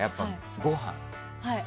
ごはん。